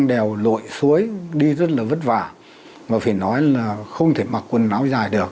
đi rất là vất vả mà phải nói là không thể mặc quần áo dài được